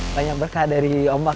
banyak berkah dari omak